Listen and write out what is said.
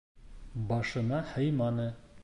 Башына һыйманы.